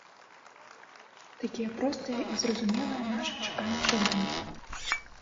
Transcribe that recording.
Такія простыя і зразумелыя нашы чаканні-жаданні.